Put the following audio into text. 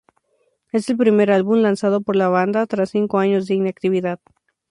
Es el primer álbum lanzado por la banda, tras cinco años de inactividad.